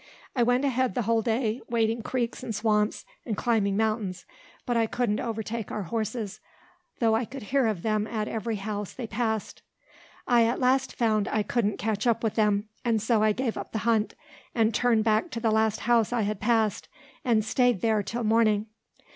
I went ahead the whole day, wading creeks and swamps, and climbing mountains; but I couldn't overtake our horses, though I could hear of them at every house they passed. I at last found I couldn't catch up with them, and so I gave up the hunt, and turned back to the last house I had passed, and staid there till morning.